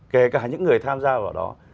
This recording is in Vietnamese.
kể cả những người tham gia vào đó